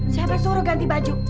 siapa suruh ganti baju